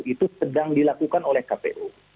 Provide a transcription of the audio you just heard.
itu sedang dilakukan oleh kpu